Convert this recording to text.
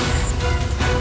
jurus pedang maju